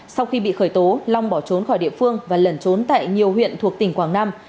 sau khi bị khởi tố long bỏ trốn khỏi địa phương và lẩn trốn tại nhiều huyện thuộc tỉnh quảng nam